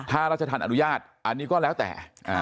ถ้าราชธรรมอนุญาตอันนี้ก็แล้วแต่